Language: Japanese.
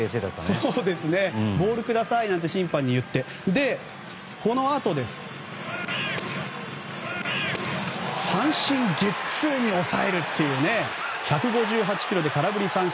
ボールくださいなんて審判に行って、このあと三振ゲッツーに抑えるという１５８キロで空振り三振。